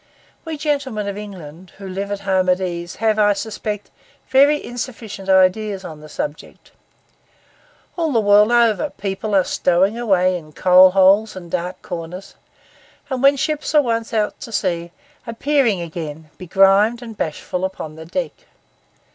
We gentlemen of England who live at home at ease have, I suspect, very insufficient ideas on the subject. All the world over, people are stowing away in coal holes and dark corners, and when ships are once out to sea, appearing again, begrimed and bashful, upon deck.